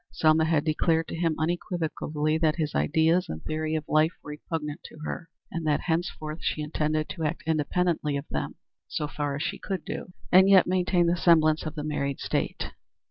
Selma had declared to him, unequivocally, that his ideas and theory of life were repugnant to her, and that, henceforth, she intended to act independently of them, so far as she could do so, and yet maintain the semblance of the married state.